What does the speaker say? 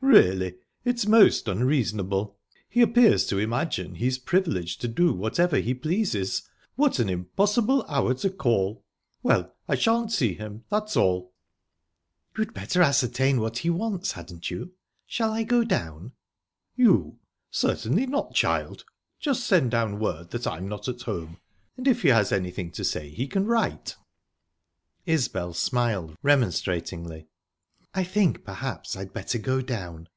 "Really, it's most unreasonable! He appears to imagine he's privileged to do whatever he pleases. What an impossible hour to call! ...Well, I shan't see him, that's all." "You'd better ascertain what he wants, hadn't you? Shall I go down?" "You? Certainly not, child. Just send down word that I'm not at home, and if he has anything to say he can write." Isbel smiled remonstratingly. "I think perhaps I'd better go down."